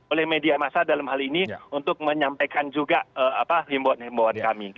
oleh media massa dalam hal ini untuk menyampaikan juga himba himbaan kami